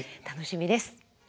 楽しみです。